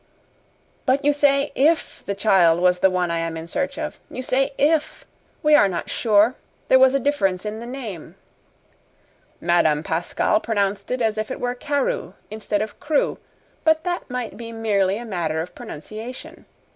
"But you say 'IF the child was the one I am in search of. You say 'if.' We are not sure. There was a difference in the name." "Madame Pascal pronounced it as if it were Carew instead of Crewe but that might be merely a matter of pronunciation.